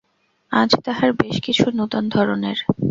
আজ তাহার বেশ কিছু নূতন ধরনের ।